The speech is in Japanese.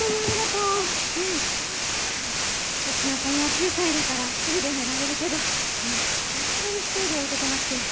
うちの子もう９歳だから一人で寝られるけどさすがに一人で置いてけなくて。